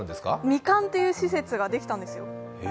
ミカンという施設ができたんですよ。